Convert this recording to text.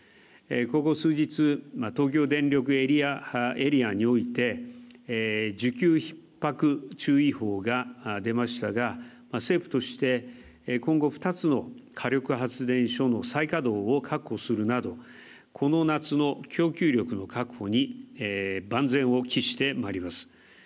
ここ数日、東京電力エリアにおいて需給ひっ迫注意報が出ましたが、政府として今後２つの火力発電所の再稼働を確保するなどこの夏の供給力の確保に万全を期してまいります。